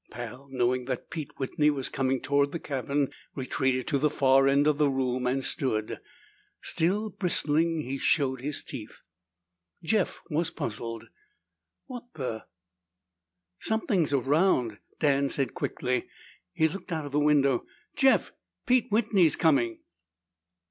Pal, knowing that Pete Whitney was coming toward the cabin, retreated to the far end of the room and stood. Still bristling, he showed his teeth. Jeff was puzzled. "What's the ?" "Something's around," Dan said quickly. He looked out of the window. "Jeff! Pete Whitney's coming!"